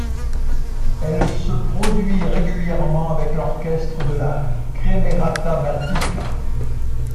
Elle se produit régulièrement avec l'orchestre de la Kremerata Baltica.